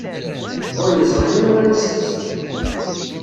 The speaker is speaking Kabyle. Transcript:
Ur yeẓri anwa ara yesseqsi.